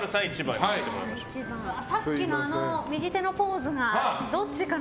さっきの右手のポーズがどっちかな。